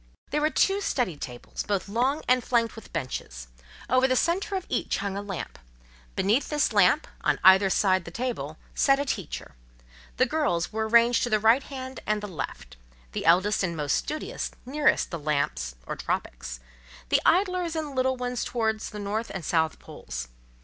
There were two study tables, both long and flanked with benches; over the centre of each hung a lamp; beneath this lamp, on either side the table, sat a teacher; the girls were arranged to the right hand and the left; the eldest and most studious nearest the lamps or tropics; the idlers and little ones towards the north and south poles.